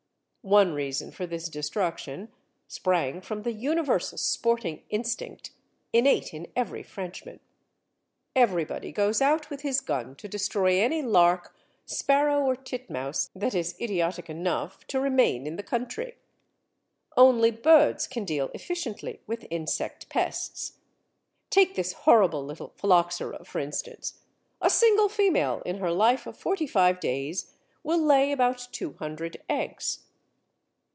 One reason for this destruction sprang from the universal sporting instinct innate in every Frenchman. Everybody goes out with his gun to destroy any lark, sparrow, or titmouse that is idiotic enough to remain in the country. Only birds can deal efficiently with insect pests. Take this horrible little Phylloxera, for instance; a single female in her life of forty five days will lay about two hundred eggs.